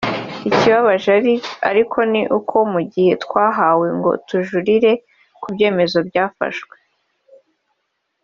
Ikibabaje ariko ni uko mu gihe twahawe ngo tujurire ku byemezo byafashwe